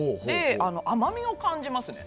甘みも感じますね。